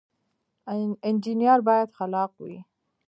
انجنیر باید خلاق وي